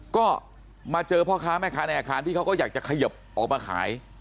ก็มาเจอพ่อค้าแม่ค้าในอาคารที่เขาก็อยากจะขยิบออกมาขาย